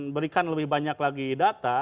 berikan lebih banyak lagi data